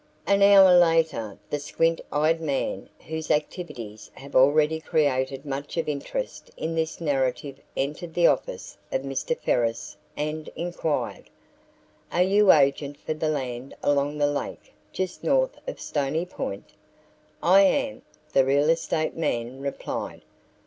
An hour later the squint eyed man whose activities have already created much of interest in this narrative entered the office of Mr. Ferris and inquired: "Are you agent for that land along the lake just north of Stony Point?" "I am," the real estate man replied.